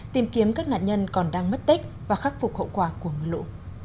tìm kiếm các nạn nhân còn đang mất tích và khắc phục hậu quả của mưa lũ